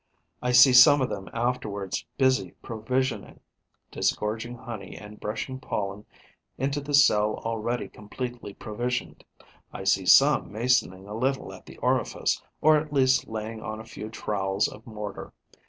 I see some of them afterwards busy provisioning, disgorging honey and brushing pollen into the cell already completely provisioned; I see some masoning a little at the orifice, or at least laying on a few trowels of mortar.